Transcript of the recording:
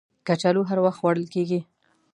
کچالو هر وخت خوړل کېږي